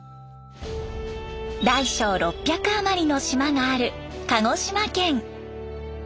大小６００あまりの島がある鹿児島県。